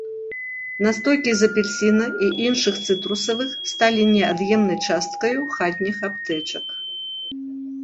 Настойкі з апельсіна і іншых цытрусавых сталі неад'емнай часткаю хатніх аптэчак.